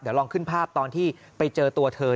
เดี๋ยวลองขึ้นภาพตอนที่ไปเจอตัวเธอ